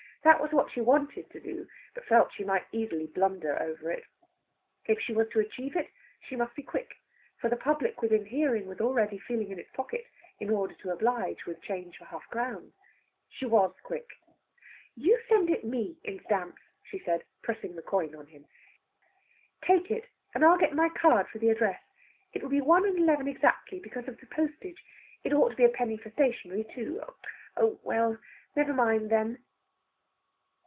That was what she wanted to do, but felt she might easily blunder over it. If she was to achieve it, she must be quick, for the public within hearing was already feeling in its pocket, in order to oblige with change for half a crown. She was quick. "You send it me in stamps," she said, pressing the coin on him. "Take it, and I'll get my card for the address. It will be one and eleven exactly, because of the postage. It ought to be a penny for stationery, too.... Oh, well! never mind, then...."